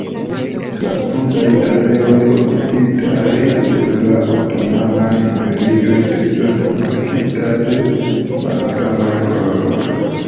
La sudaj areoj okupitaj de la otomana imperio estas markitaj de malsamaj koloroj.